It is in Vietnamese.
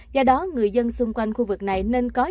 do đó người dân xung quanh khu vực này nên có nhu cầu